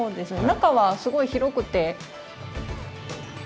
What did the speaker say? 中はすごい広くて。